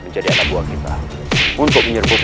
sekarang kita sergap